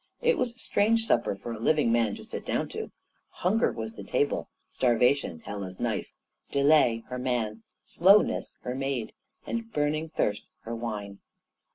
It was a strange supper for a living man to sit down to. Hunger was the table; Starvation, Hela's knife; Delay, her man; Slowness, her maid; and Burning Thirst, her wine.